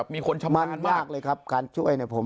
มีคนชำลาม